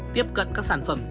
tiếp cận các sản phẩm tín dụng